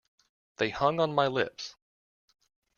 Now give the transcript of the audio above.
They hung on my lips.